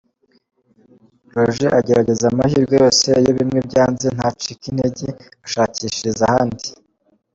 Roger agerageza amahirwe yose, iyo bimwe byanze ntacika intege ashakishiriza ahandi.